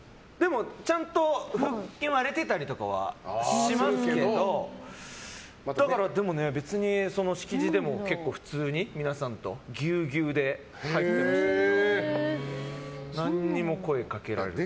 ちゃんと腹筋割れてたりとかはしますけどでも、別にしきじでも普通に皆さんとギュウギュウで入ってましたけど何も声かけられない。